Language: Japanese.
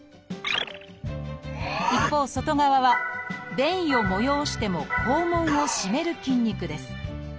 一方外側は便意を催しても肛門を締める筋肉です。